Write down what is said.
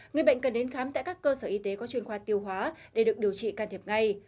người bệnh cần đến khám tại các cơ sở y tế có chuyên khoa tiêu hóa để được điều trị can thiệp ngay